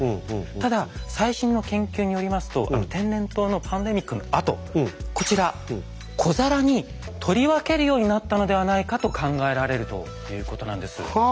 ただ最新の研究によりますと天然痘のパンデミックのあとこちら小皿に取り分けるようになったのではないかと考えられるということなんです。